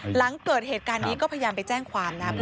หลังเกิดเหตุการณ์นี้ก็พยายามไปแจ้งความนะ